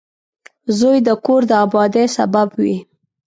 • زوی د کور د آبادۍ سبب وي.